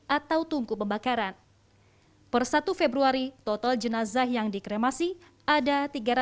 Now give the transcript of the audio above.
atau tungku pembakaran per satu februari total jenazah yang dilemasi ada tiga ratus tujuh puluh empat